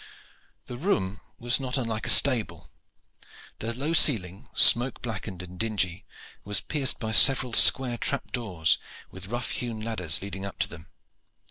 The room was not unlike a stable. The low ceiling, smoke blackened and dingy, was pierced by several square trap doors with rough hewn ladders leading up to them.